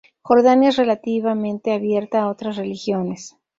Jordania es relativamente abierta a otras religiones.